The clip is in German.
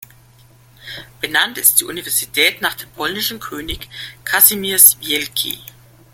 Benannt ist die Universität nach dem polnischen König Kazimierz Wielki.